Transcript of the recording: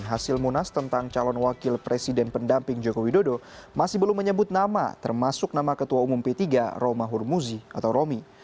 hasil munas tentang calon wakil presiden pendamping joko widodo masih belum menyebut nama termasuk nama ketua umum p tiga roma hurmuzi atau romi